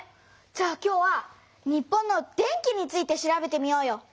じゃあ今日は日本の電気について調べてみようよ！